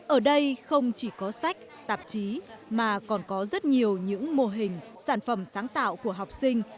ở đây không chỉ có sách tạp chí mà còn có rất nhiều những mô hình sản phẩm sáng tạo của học sinh